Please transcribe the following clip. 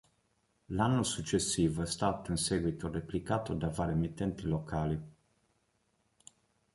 L'anno successivo è stato in seguito replicato da varie emittenti locali..